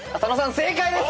正解です。